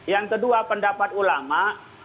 yang kedua pendapat ulama